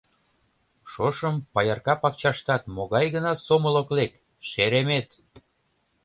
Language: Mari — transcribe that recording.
Шошым паярка пакчаштат могай гына сомыл ок лек, шеремет!